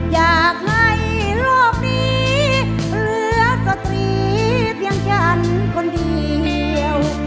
อยากให้โลกนี้เหลือสตรีเพียงฉันคนเดียว